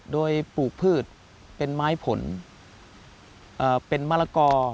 โดยปลูกพืชเป็นไม้ผลเป็นมะละกอ